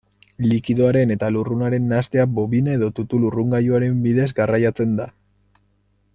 Likidoaren eta lurrunaren nahastea bobina- edo tutu-lurrungailuen bidez garraiatzen da.